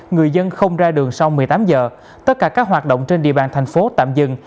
người dân không ra đường sau một mươi tám giờ tất cả các hoạt động trên địa bàn thành phố tạm dừng